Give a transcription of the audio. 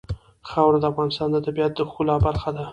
خاوره د افغانستان د طبیعت د ښکلا برخه ده.